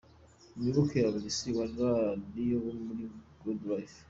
Muyoboke Alexis na Radio wo muri Good lyfe.